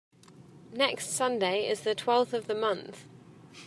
Next Sunday is the twelfth of the month.